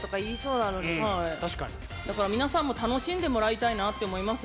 だから、皆さんも楽しんでもらいたいなと思います。